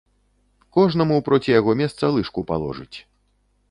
Кожнаму проці яго месца лыжку паложыць.